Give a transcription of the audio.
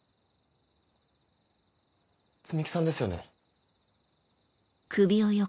摘木さんですよね？